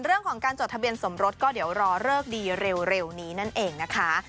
เรื่องของการจดทะเบียนสมรสก็เดี๋ยวรอเลิกดีเร็วนี้นั่นเองนะคะ